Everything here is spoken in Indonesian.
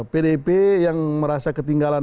pdp yang merasa ketinggalan